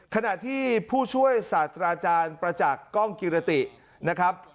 ขณะที่ผู้ช่วยศาสตราจารย์ประจักษ์กล้องกิรตินะครับ